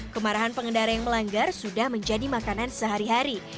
kemarahan pengendara yang melanggar sudah menjadi makanan sehari hari